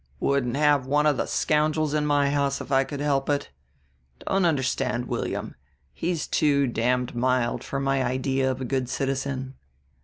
"Wouldn't have one of the scoundrels in my house if I could help it. Don't understand William; he's too damned mild for my idea of a good citizen.